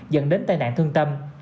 dẫn đến tai nạn thương tâm